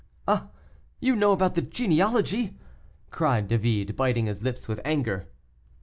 "Ah! you know about the genealogy?" cried David, biting his lips with anger.